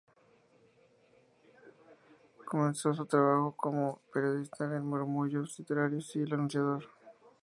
Comenzó su trabajo como periodista en "Murmullos Literarios" y "El Anunciador".